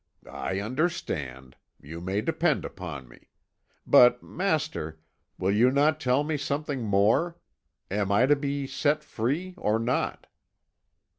"I understand; you may depend upon me. But master, will you not tell me something more? Am I to be set free or not?"